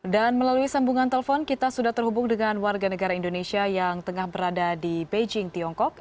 dan melalui sambungan telpon kita sudah terhubung dengan warga negara indonesia yang tengah berada di beijing tiongkok